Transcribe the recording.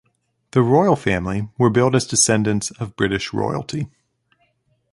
The Royal Family were billed as descendants of British Royalty.